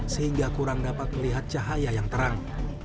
sehingga kurang dapat melihat cahaya yang terang